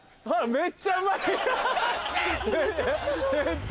めっちゃうまい！助けて！